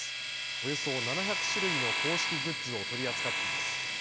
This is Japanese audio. およそ７００種類の公式グッズを取り扱っています。